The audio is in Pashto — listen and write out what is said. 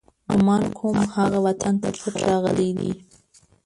ګمان کوم، هغه وطن ته پټ راغلی دی.